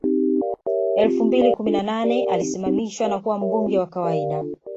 Elfu mbili kumi na nane alisimamishwa na kuwa mbunge wa kawaida